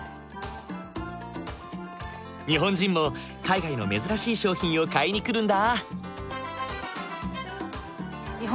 日本人も海外の珍しい商品を買いに来るんだ。